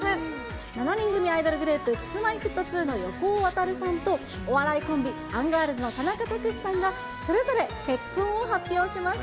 ７人組アイドルグループ、Ｋｉｓ−Ｍｙ−Ｆｔ２の横尾渉さんと、お笑いコンビ、アンガールズの田中卓志さんが、それぞれ結婚を発表しました。